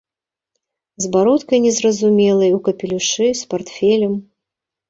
З бародкай незразумелай, у капелюшы, з партфелем.